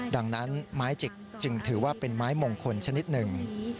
ดังนั้นไม้จิกจึงถือว่าเป็นไม้มงคลชนิดหนึ่ง